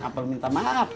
gak perlu minta maaf